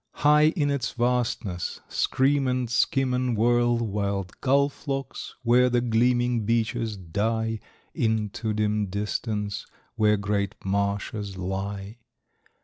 High in its vastness scream and skim and whirl White gull flocks where the gleaming beaches die Into dim distance, where great marshes lie.